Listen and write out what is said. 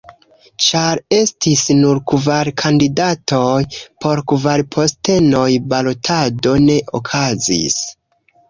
Ĉar estis nur kvar kandidatoj por kvar postenoj, balotado ne okazis.